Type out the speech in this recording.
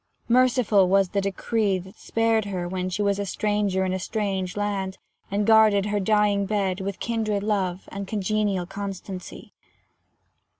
Merciful was the decree that spared her when she was a stranger in a strange land, and guarded her dying bed with kindred love and congenial constancy.